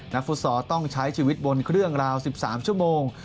ฟุตซอลต้องใช้ชีวิตบนเครื่องราว๑๓ชั่วโมง